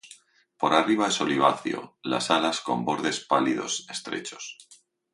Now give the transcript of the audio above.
Por arriba es oliváceo, las alas con bordes pálidos estrechos.